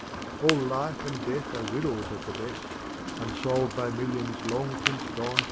All life and death are riddles at the best h Unsolved by millions long since gone to rest.